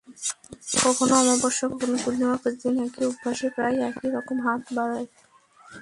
কখনো অমাবস্যা, কখনো পূর্ণিমা, প্রতিদিন একই অভ্যাসে প্রায় একই রকম রাত বাড়ে।